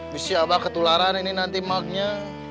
abis itu abah ketularan nanti maknya